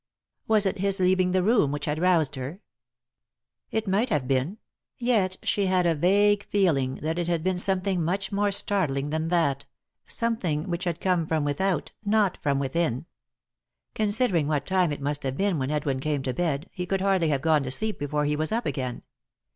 Was it his leaving the room which had roused her ? It might have been ; yet she had a vague feeling that 3 3i 9 iii^d by Google THE INTERRUPTED KISS it bad been something much more startling than that ; something which had come from without, not from within. Considering what time it must have been when Edwin came to bed, he could hardly have gone to sleep before he was up again.